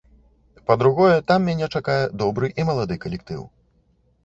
Па-другое, там мяне чакае добры і малады калектыў.